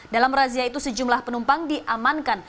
dalam razia itu sejumlah penumpang diamankan